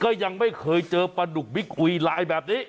ยังไม่เคยเจอปลาดุกบิ๊กอุยลายแบบนี้